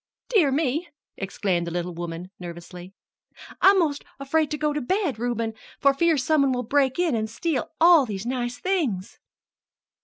"Dear me!" exclaimed the little woman nervously, "I'm 'most afraid to go to bed, Reuben, for fear some one will break in an' steal all these nice things."